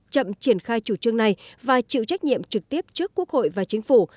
chậm triển khai chủ trương này và chịu trách nhiệm trực tiếp trước quốc hội và chính phủ